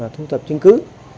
thu thập chứng cứ